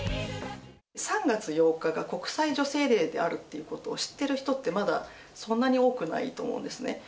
３月８日が国際女性デーであるっていうことを知っている人ってまだそんなに多くないと思うんですね。